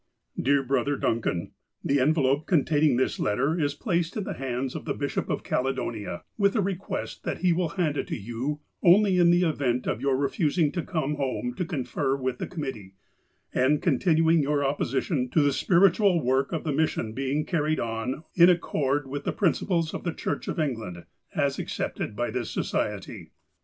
" Dear Brother Duncan :— The envelope containing this letter is placed in the hands of the Bishop of Caledonia, with a request that he will hand it to you only in the event of your refusing to come home to confer with the committee, and con tinuing your opposition to the spiritual work of the mission being carried on in accord with the principles of the Church of Engla?id^a.s accepted by this Society.